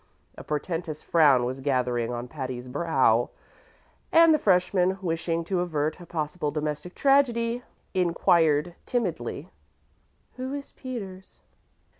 A portentous frown was gathering on Patty's brow, and the freshman, wishing to avert a possible domestic tragedy, inquired timidly, "Who is Peters?"